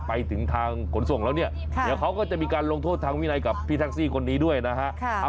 ไปถึงทางขนส่งแล้วเนี่ยเดี๋ยวเขาก็จะมีการลงโทษทางวินัยกับพี่แท็กซี่คนนี้ด้วยนะฮะ